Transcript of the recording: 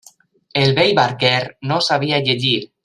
El vell barquer no sabia llegir.